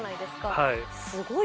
はい。